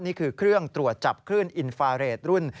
นี่คือเครื่องตรวจจับคลื่นอินฟาเรทรุ่น